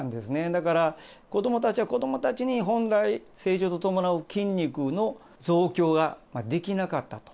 だから、子どもたちは子どもたちに本来、成長に伴う筋肉の増強ができなかったと。